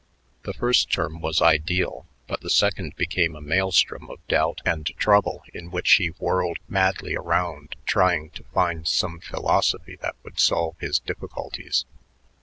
The first term was ideal, but the second became a maelstrom of doubt and trouble in which he whirled madly around trying to find some philosophy that would solve his difficulties.